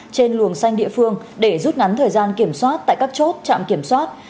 trên luồng xanh địa phương để rút ngắn thời gian kiểm soát tại các chốt trạm kiểm soát